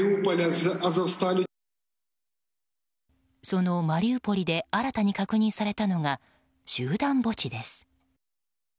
そのマリウポリで新たに確認されたのが集団墓地です。